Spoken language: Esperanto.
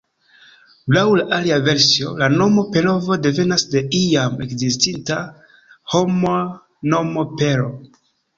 Laŭ la alia versio, la nomo Perovo devenas de iam ekzistinta homa nomo Pero.